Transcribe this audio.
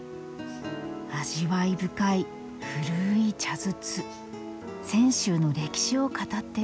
味わい深い古い茶筒泉州の歴史を語ってる。